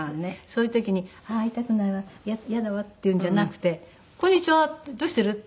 そういう時に「会いたくないわイヤだわ」っていうんじゃなくて「こんにちは！どうしてる？」